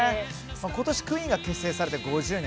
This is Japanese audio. ことしはクイーンが結成されて５０年。